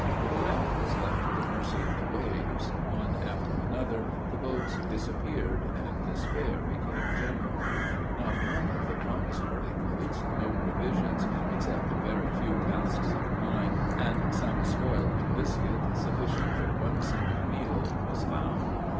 The raft was left to the mercy of the waves; one after another, the boats disappeared, and despair became general. Not one of the promised articles, no provisions, except a very few casks of wine, and some spoiled biscuit, sufficient for one single meal was found.